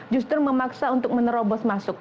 justru memaksa untuk menerobos masuk